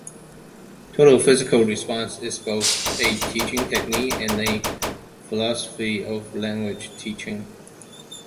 Total physical response is both a teaching technique and a philosophy of language teaching.